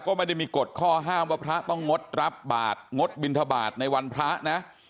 ก็ไม่ได้มีกฎข้อห้ามว่าพระต้องงดรับบาทงดบินทบาทในวันพระนะ